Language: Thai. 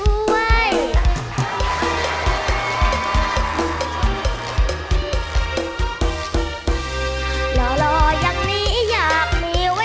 หล่อหล่อยอย่างนี้อยากมีไว้เคราะห์เคลียร์